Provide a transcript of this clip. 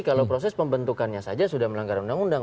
kalau proses pembentukannya saja sudah melanggar undang undang